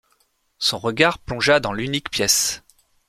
Son regard plongea dans l'unique pièce